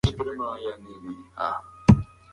اودس د روح د پاکوالي وسیله ده.